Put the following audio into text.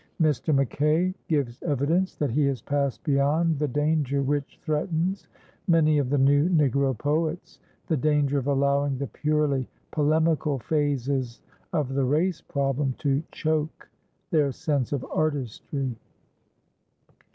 Mr. McKay gives evidence that he has passed beyond the danger which threatens many of the new Negro poets the danger of allowing the purely polemical phases of the race problem to choke their sense of artistry.